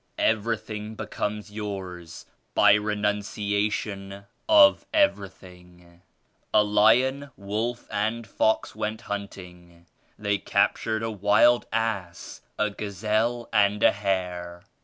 Everything becomes yours by Renunciation of everything. A lion, wolf and fox went hunting. They captured a wild ass, a gazelle and a hare.